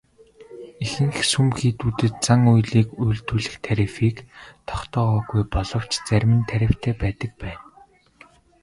Ихэнх сүм хийдүүдэд зан үйлийг үйлдүүлэх тарифыг тогтоогоогүй боловч зарим нь тарифтай байдаг байна.